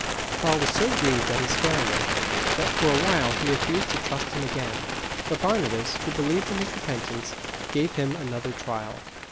Paul was so grieved at his failure, that for a while he refused to trust him again; but Barnabas, who believed in his repentance, gave him another trial.